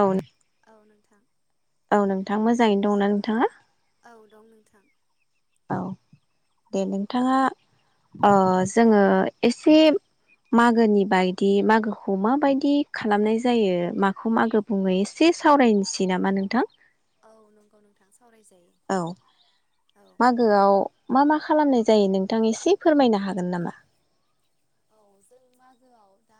औ औ नोंथां औ नोंथां म मोजाङैनो दंना नोंथाङा औ दं नोंथां औ औ दे नोंथाङा ओ जोङो एसे मागोनि बायदि मागोखौ माबायदि खालामनाय जायो माखौ मागो बुङो एसे सावरायनोसै नामा नोंथां औ नंगौ नोंथां सावरायजायो औ औ मागोआव मा मा खालामनाय जायो नोंथां एसे फोरमायनो हागोन नामा औ जों मागोआव दा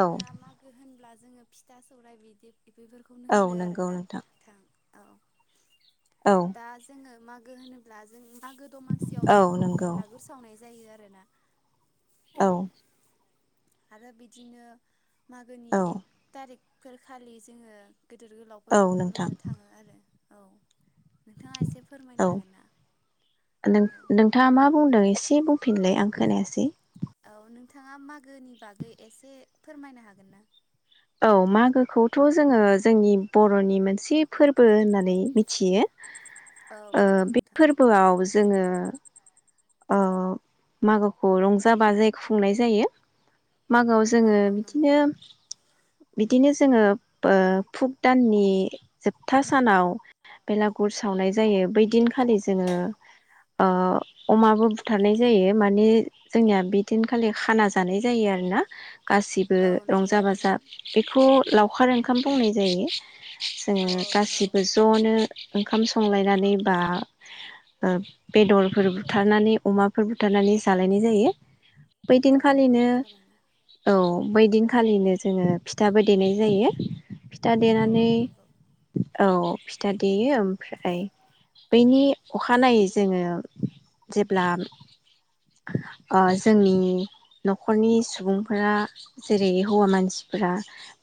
औ मागो होनब्ला। जोङो फिथा सौराइ बिदि बेफोरखौनो औ होनो आरो नंगौ ना नोंथां थां औ औ दा जोङो मागो होनोब्ला जों मागो दमासियाव औ जोङो नंगौ भेलागुर सावनाय जायो आरोना औ आरो बिदिनो मागोनि औ एक थारिक फोर खालि जोङो गोदोर औ गोलावफोरखौ नोंथां खुलुमनो थाङो आरो औ नोंथाङा एसे फोरमायनो औ हागोन ना नों औ नोंथाङा मा बुंदों एस ए बुंफिनलाय आं खोनायासै औ नोंथाङा मागोनि बागै एसे फोरमायनो हागोन ना? औ मागोखौथ' जोङो जोंनि बर'नि मोनसे फोरबो होननानै मिथियो औ ओ नंगौ बे नोंथां फोरबोआव जोङो ओ मागोखौ रंजा बाजायै खुंनाय जायो मागोआव औ जोङो औ नंगौ। बिदिनो बिदिनो जोङो बो फुग दाननि जोबथा सानाव बेलागुर सावनाय जायो बैदिनखालि जोङो ओ अमाबो बुथारनाय जायो माने जोंनिया बिदिनखालि खाना जानाय जायो आरोना गासिबो औ नंगौ रंजा बाजा नोंथां। बेखौ लावखार ओंखाम बुंनाय जायो जोङो औ औ नंगौ। गासिबो ज'नो ओंखाम संलायनानै बा ओ बेदरफोर बुथारनानै अमाफोर बुथारनानै जालायनाय जायो औ नंगौ बैदिनखालिनो थारैनो औ बैदिनखालिनो जोङो फिथाबो देनाय जायो। फिथा औ औ देनानै नंगौ औ फिथा देयो ओमफ्राय बैनि अखानायै जोङो जेब्ला ओ जोंनि न'खरनि सुबुंफोरा जेरै हौवा मानसि फोरा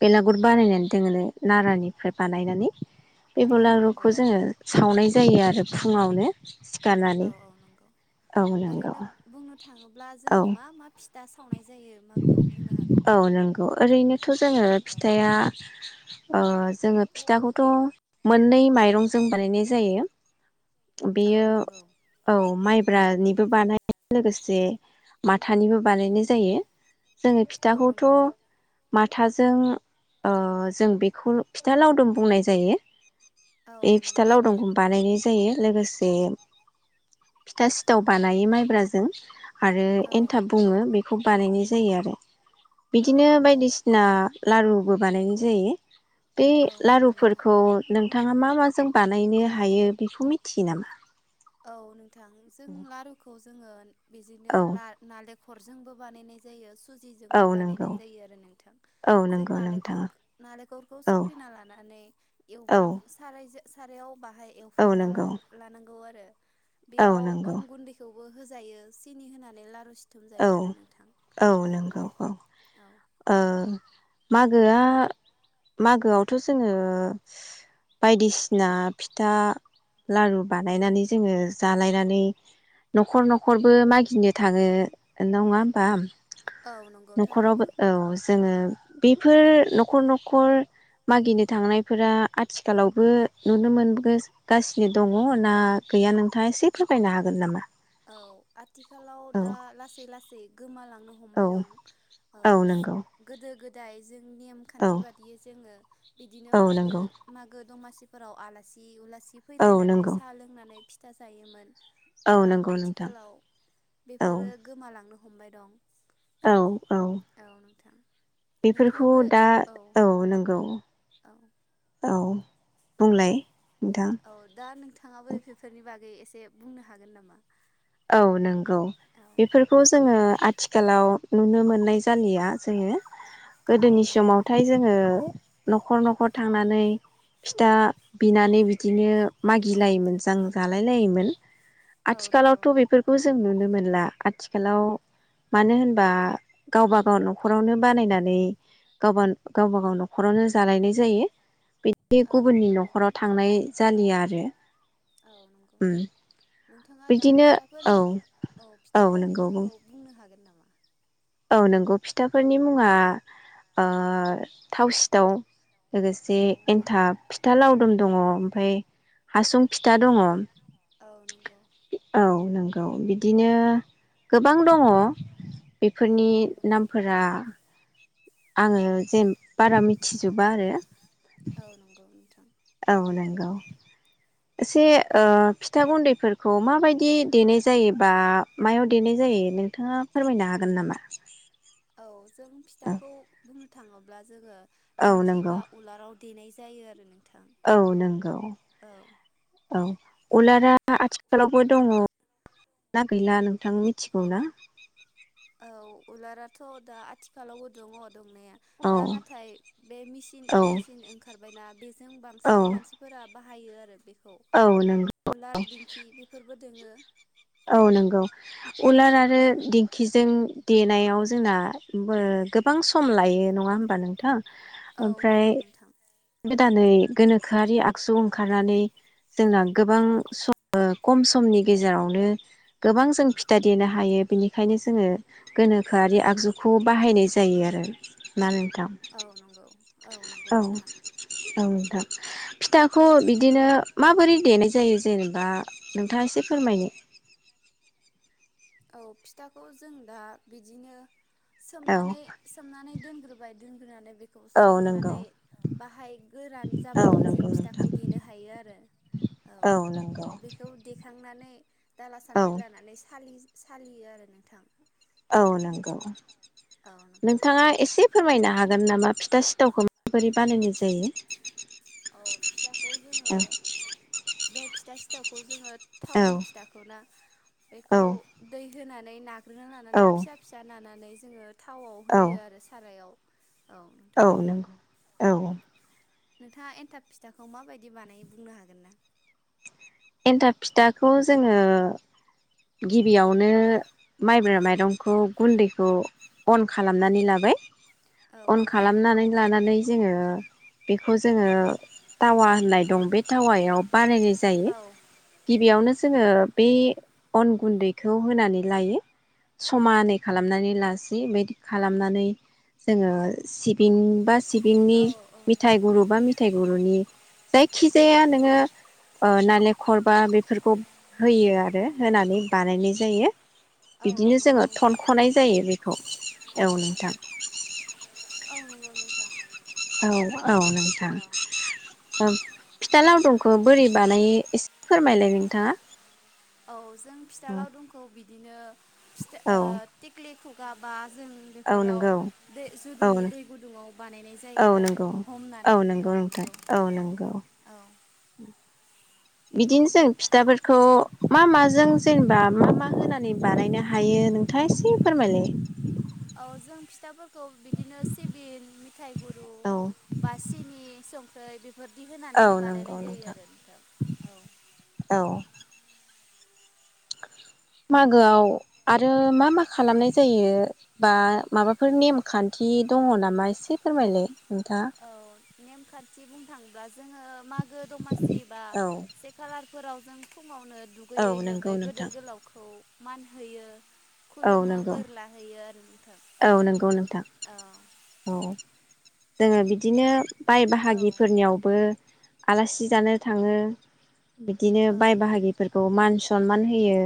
बेलागुर बानायनानै दोङोलै नारानिफ्राय बानायनानै बे औ नंगौ। बलारुखौ जोङो सावनाय जायो आरो फुङावनो सिखारनानै औ औ नंगौ औ नंगौ ओरैनो बुंनो थाङोब्ला जों औ मा मा फि दा सावनाय जायो मागोआव बुंनो हागोन ना? औ नंगौ ओरैनोथ' जोङो औ फिथाया अ जोङो फिथाखौथ' मोननै माइरंजों बानायनाय जायो। औ बेयो नंगौ औ माइ ब्रानिबो बानायो लोगोसे माथानिबो बानायनाय जायो जोङो औ फिथाखौथ' नंगौ माथाजों अ जों बेखौ फिथा लावदुम बुंनाय जायो। औ बे औ फिथा नंगौ नोंथां लावदोमखौ बानायनाय जायो लोगोसे फिथा सिथाव बानायो माइब्राजों आरो एनथाब बुङो बेखौ बानायनाय जा जायो आरो औ बिदिनो बायदिसिना लारुबो बानायनाय जायो। बे औ नंगौ नोंथां। लारुफोरखौ नोंथां नोंथाङा मा माजों बानायनो हायो बेखौ मिथियो नामा? औ नोंथां जों लारुखौ जोङो बिदिनो औ नालें खरजोंबो बानायनाय जायो। औ सुजिजोंबो नंगौ बानायनाय जायो आरो नोंथां औ जों नंगौ नोंथाङा नालेंखर नालेंखरखौ औ सुख्रिना लानानै औ एवफ्राम सारायजों सारायाव बाहाय औ एवफ्रामना ला नंगौ लानांगौ आरो औ बेयाव नंगौ अन गुन्दैखौ बो होजायो सिनि होनानै लारु सिथुम औ जायो आरो नोंथां औ नंगौ औ औ ओ मागोआ मागोआवथ' जोङो बायदिसिना फिथा लारु बानायनानै जोङो जालायनानै न'खर न'खरबो मागिनो थाङो नङा होमबा औ नंगौ थारैनो। न'खरावबो औ जोङो बेफोर न'खर न'खर मागिनो थांनायफोरा आथिखालावबो नुनो मोनबोगासिनो दङ ना गैया नोंथाङा एसे फोरमायनो हागोन नामा? औ आथिखालाव औ दा लासै सै लासै गोमा नो औ हमबाय दं औ गोदो गोद दाय जों औ नेमखान्थि बादियै जोङो बिदिनो औ मागो नंगौ मागो दमासि फोराव आलासि उला सि औ फैलायनानै नंगौ साह लोंनानै फिथ था जायोमोन। औ दा नोंगौ आथिखालाव बेफोरो गोमालांनो हमबाय दं। औ औ बेफोरखौ नोंथाङाबो दा औ नंगौ [inaudible] औ बुंलाय नोंथां औ दा नोंथाङाबो बे बेफोरनि बागै एसे बुंनो हागोन नामा? औ नंगौ औ बेफोरखौ जोङो आथि थिखालाव नुनो मोननाय जालिया जोङो। गोदोनि औ नंगौ समावथाय जोङो नखर नखर थांनानै फिथा बिनानै बिदिनो मागिलायोमोन जां जालाय लायोमोन। औ आथिखालाव नंगौ बेफोरखौ जों नुनो मोनला आथिखालाव मानो होनबा गावबा गाव नखरावनो बानायनानै गावबा गावबा गाव नखरावनो जालायनाय जायो। बिदि औ गुबुननि नंगौ नोंथां नखराव थांनाय जालिया आरो आरोे औ नंगौ नोंथाङा दा बिदिनो औ फिथाफोरनि औ फिथाफोरनि नंगौ बुं मुंखौ बुंनो हागोन नामा औ नंगौ फिथाफोरनि मुङा ओ थाव सिथाव। लोगोसे औ नंगौ एन्थाब फिथा लावदुम औ दङ ओमफाय हासुं फिथा दङ औ औ नंगौ नंगौ। औ बिदिनो गोबां दङ औ बेफोरनि औ नंगौ नामफोरा आङो जेन बारा मिथिजोबा आरो औ नंगौ नोंथां औ नंगौ एसे ओ फिथा गुन्दैफोरखौ माबायदि देनाय जायो बा मायाव देनाय जायो नोंथाङा फोरमायनो हागोन नामा औ जों फिथाखौ बुंनो थाङोब्ला जोङो औ दिंखि नंगौ बा उलाराव देनाय जायो आरो नों औ नंगौ औ उलारा आ आथिखालावबो दङ ना गैला नोंथां मिथिगौ ना औ उलाराथ' दा आथिखालावबो दङ दंनाया औ दा नाथाय बे मेसिन औ मेसिन ओंखारबायना बेजों औ बांसिन मानसिफोरा बाहायो आरो बेखौ औ नंगौ उलार दिंखि बेफोरबो दोङो औ औ नंगौ उलार औ आरो नोंथां दिंखिजों देनायाव जोंना ओ गोबां सम लायो नङा होमबा नोंथां औ ओमफ्राय नंगौ नोंथां गोदान नै गोनोखोआरि आगजु ओंखारनानै जोंना गोबां सम खम समनि गेजेरावनो गोबां जों फिथा देनो हायो बेनिखायनो जोङो गोनोखोआरि आगजुखौ बाहायनाय जायो आरो मानो हो औ नंगौ औ नंगौ नोंथां औ नोंथां फिथाखौ बिदिनो माबोरै देनाय जायो जेनेबा नोंथाङा एसे फोरमायनो औ फिथाखौ जों दा बिदिनो औ सोमनानै सोमनानै दोनग्रोबाय दोनग्रोनानै बेखौ औ नंगौ सुखांनानै बाहाय गोरान औ जाबाथाय जों नंगौ नोंथां फिथाखौ देनो हायो आरो औ बेखौ देखांनानै दाला औ सान्द्रि लानानै सालि सालियो आरो नोंथां औ नंगौ औ नोंथां नोंथाङा एसे फोरमायनो हागोन नामा फिथा सिथावखौ माबोरै बानायनाय जायो औ फिथाखौ जोङो बे [inaudible] फिथा सिथावखौ जोङो औ थावनि फिथाखौ ना बेखौ दै होना [unintelligible] औ [unintelligible] फिसा फिसा नानानै जोङो थावाव औ होयो आरो सारायाव औ नोंथां औ नोंगौ औ नोंथाङा एन्थाब फिथाखौ माबायदि बानायो बुंनो हागोन ना एन्थाब फिथाखौ जोङो गिबियावनो माइब्रा माइरंखौ गुन्दैखौ अन खालामनानै लाबाय औ औ अन नंगौ खालामनानै लानानै जोङो बेखौ जोङो टावा होननाय दं बे टावायाव बानायनाय जायो। औ गिबियावनो जोङो बे अन गुन्दैखौ होनानै लायो समानै खालामनानै लासि बेदि खालामनानै जोङो सिबिं बा सिबिंनि औ औ मिथाइ गुरु बा मिथाइ गुरुनि जायखि जाया नोङो ओ नाले खरबा बेफोरखौ होयो आरो होनानै बानायनाय जायो औ औ बिदिनो नंगौ जोङो नोंथां थनख'नाय जायो बेखौ औ नोंथां औ नंगौ नोंथां औ औ नोंथां औ ओ फिथा लावदुमखौ बोरै बानायो एसे फोरमायलाय नोंथाङा औ जों फिथा लावदुमखौ बि बिदिनो फिथा औ ओ थिंख्लि गाबा जों औ बेफोराव नंगौ दै औ जुदुनि दै गुदुङाव बानायनाय औ जायो आरो नंगौ हमनानै औ नोंथां नंगौ औ नंगौ औ बिदिनो जों फिथाफोरखौ मा माजों जेनेबा मा मा होनानै बानायनो हायो नोंथाङा एसे फोरमायलाय औ जों फिथाफोर खौ बिदिनो सिबिं मिथाइ गुरु औ बा सिनि सं [unintelligible] बोर्दि औ होनानैनो नंगौ बानायनाय जायो नोंथां आरो औ औ मागोआव आरो मा मा खालामनाय जायो बा माबाफोर नेमखान्थि दङ नामा एसे फोरमायलाय नोंथाङा अ नेमखान्थि बुंनो थाङोबा जोङो मा गो दमासि बा औ से खालार फोरावजों फु ङावनो औ दुगैयै नंगौ लोबै गोदोर नोंथां गोलावखौ मान होयो औ खुलुमो नंगौ बोर लाहोयो आरो नोंथां औ नंगौ नोंथां औ औ जोङो बिदिनो नोंथाङा बाय औ बाहागिफोरनियावबो आलासि जानो थाङो बिदिनो औ बाय बाहागिफोरखौ मान सनमान होयो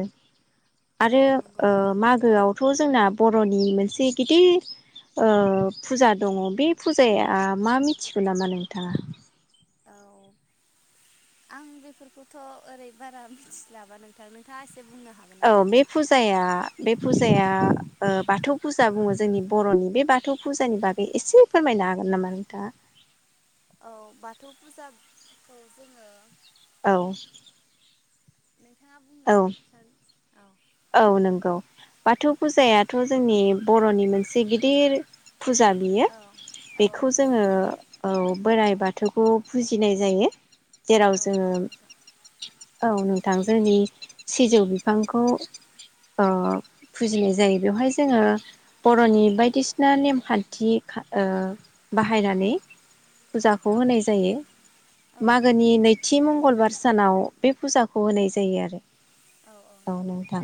औ आरो नंगौ ओ नोंथां मागोआवथ' जोंना बर'नि मोनसे गिदिर ओ फुजा दङ बे फुजाया मा मिथिगौ नामा नोंथाङा औ आं बेफोरखौथ' ओरै बारा मिथिस्लाबा नोंथां नोंथाङा एसे बुंनो हागोन औ नामा बे फुजाया बे फुजाया अ बाथौ फुजा बुङो जोंनि बर'नि बे बाथौ फुजानि बागै एसे फोरमायनो हागोन नामा नोंथाङा औ बाथौ फुजाखौ जोङो औ नोंथाङा औ बुंनायसै औ औ नंगौ बाथौ फुजायाथ' जोंनि बर'नि मोनसे गिदिर फुजा बियो औ औ औ बेखौ जोङो नंगौ अ बोराइ बा बाथौखौ फुजिनाय जायो औ जेराव जोङो नंगौ नोंथां औ नों दा जोंनि सिजौ बिफांखौ ओ फुजिनाय जायो बेवहाय जोङो बर'नि बायदिसिना नेमखान्थि ओ बाहायनानै फुजाखौ औ होनाय जायो औ नंगौ मागोनि नोंथां नैथि मंगलबार सानाव बे फुजाखौ होनाय जायो आरो औ नोंथां